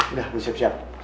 udah gue siap siap